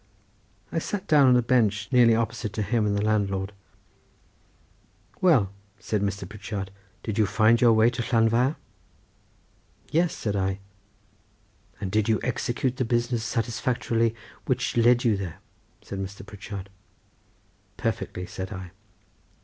I sat down on a bench nearly opposite to him and the landlord. "Well," said Mr. Pritchard; "did you find your way to Llanfair?" "Yes," said I. "And did you execute the business satisfactorily which led you there?" said Mr. Pritchard. "Perfectly," said I.